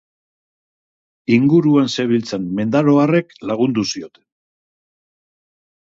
Inguruan zebiltzan mendaroarrek lagundu zioten.